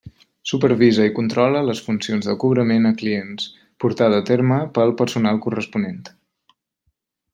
Supervisa i controla les funcions de cobrament a clients, portada a terme pel personal corresponent.